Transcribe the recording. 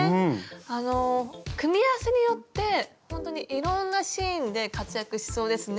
組み合わせによってほんとにいろんなシーンで活躍しそうですね。